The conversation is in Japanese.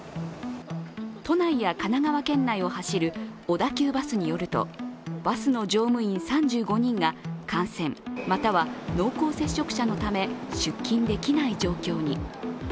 都内や神奈川県内を走る小田急バスによるとバスの乗務員３５人が感染、または濃厚接触者のため出勤できない状況に。